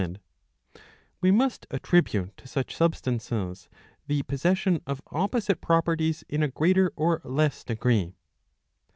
^ We must attribute to such substances the possession of opposite properties in a greater or less degree.